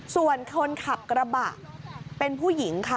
ส่วนคนขับกระบะเป็นผู้หญิงค่ะ